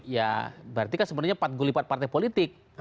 ya berarti kan sebenarnya padgulipan partai politik